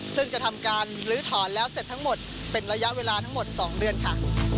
ซึ่งจะทำการลื้อถอนแล้วเสร็จทั้งหมดเป็นระยะเวลาทั้งหมด๒เดือนค่ะ